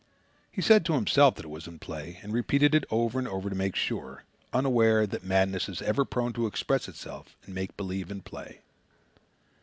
He said it to himself that it was in play, and repeated it over and over to make sure, unaware that madness is ever prone to express itself in make believe and play.